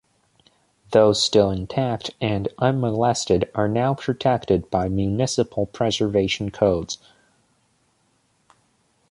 Those still intact and unmolested are now protected by municipal preservation codes.